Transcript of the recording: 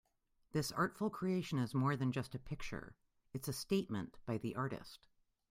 This artful creation is more than just a picture, it's a statement by the artist.